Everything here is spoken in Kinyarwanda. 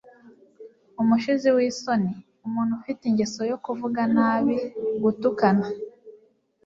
Umushizi w'isoni: Umuntu ufite ingeso yo kuvuga nabi/gutukana.